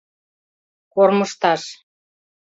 Кормыжташ